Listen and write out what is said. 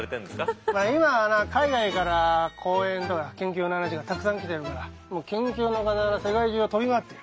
今はな海外から講演とか研究の話がたくさん来てるからもう研究のかたわら世界中を飛び回ってる。